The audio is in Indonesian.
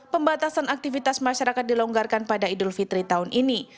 pembatasan aktivitas masyarakat dilonggarkan pada idul fitri tahun ini